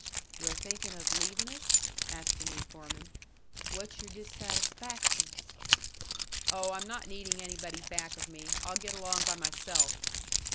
"You're thinking of leaving us?" asked the new foreman. "What's your dissatisfaction?" "Oh, I'm not needing anybody back of me. I'll get along by myself."